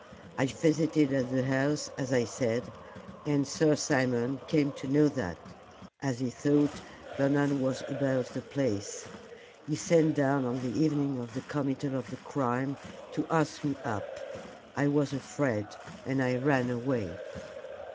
"I visited at the house as I said, and Sir Simon came to know that as he thought Bernard was about the place. He sent down on the evening of the committal of the crime to ask me up. I was afraid, and I ran away."